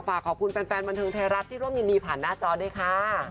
ฝากขอบคุณแฟนบันเทิงไทยรัฐที่ร่วมยินดีผ่านหน้าจอด้วยค่ะ